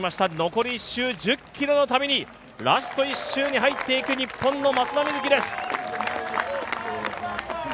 残り１周１０ｋｍの旅にラスト１周に入っていく日本の松田瑞生です。